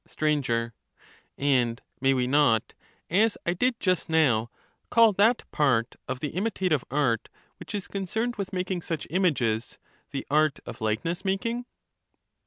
Str. And may we not, as I did just now, call that part of the imitative art which is concerned with making such images the art of likeness making?